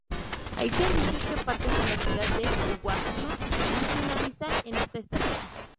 Hay servicios que parten de la Ciudad de Uwajima y finalizan en esta estación.